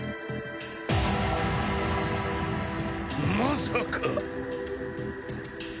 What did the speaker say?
まさか！